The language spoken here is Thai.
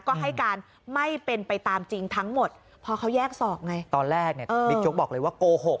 ก็ให้การไม่เป็นไปตามจริงทั้งหมดพอเขาแยกศอกไงตอนแรกเนี่ยบิ๊กโจ๊กบอกเลยว่าโกหก